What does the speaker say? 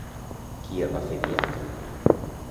Qui el va fer diaca?